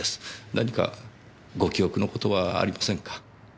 何かご記憶の事はありませんか？